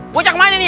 bocah kemaren ini ya